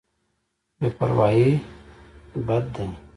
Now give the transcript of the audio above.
بې پروايي بد دی.